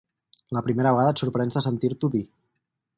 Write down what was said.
La primera vegada et sorprens de sentir-t'ho dir.